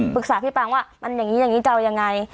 ปรึกษาพี่ปังว่ามันอย่างนี้อย่างนี้จะเอายังไง